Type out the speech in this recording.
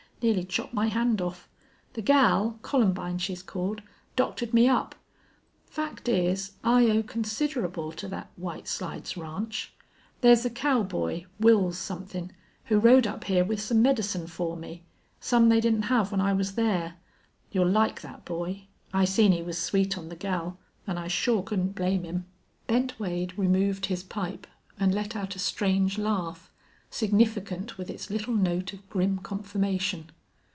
Nearly chopped my hand off. The gal Columbine, she's called doctored me up. Fact is, I owe considerable to thet White Slides Ranch. There's a cowboy, Wils somethin', who rode up here with some medicine fer me some they didn't have when I was thar. You'll like thet boy. I seen he was sweet on the gal an' I sure couldn't blame him." Bent Wade removed his pipe and let out a strange laugh, significant with its little note of grim confirmation.